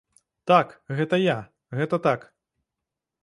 Так, гэта я, гэта так.